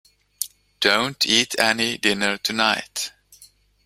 Don't eat any dinner tonight.